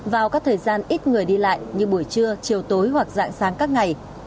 vào các thời gian ít người đi lại như buổi trưa chiều tối hoặc dạng sáng các ngày